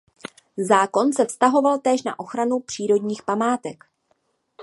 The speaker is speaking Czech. Zákon se vztahoval též na ochranu přírodních památek.